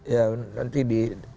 ya nanti di